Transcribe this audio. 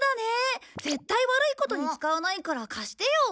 絶対悪いことに使わないから貸してよ。